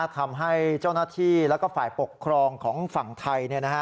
ทำให้เจ้าหน้าที่และฝ่ายปกครองของฝั่งไทย